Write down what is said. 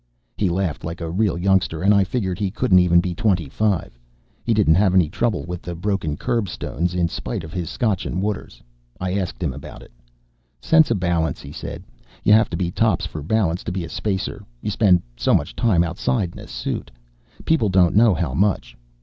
He laughed like a real youngster and I figured he couldn't even be twenty five. He didn't have any trouble with the broken curbstones in spite of his scotch and waters. I asked him about it. "Sense of balance," he said. "You have to be tops for balance to be a spacer you spend so much time outside in a suit. People don't know how much.